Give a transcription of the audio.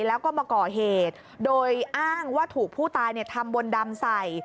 แล้วก็มาก่อเหตุโดยอ้างว่าถูกผู้ตายทำบนดำใส่